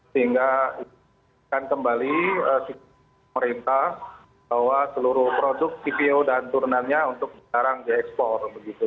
sehingga akan kembali pemerintah bahwa seluruh produk cpo dan turunannya untuk sekarang diekspor